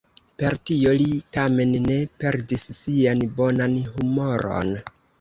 Per tio li tamen ne perdis sian bonan humoron.